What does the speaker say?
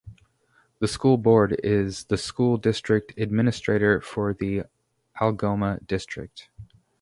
The school board is the school district administrator for the Algoma District.